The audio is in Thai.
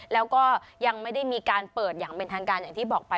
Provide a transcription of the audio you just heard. แล้วก็ยังไม่ได้มีการเปิดอย่างเป็นทางการอย่างที่บอกไป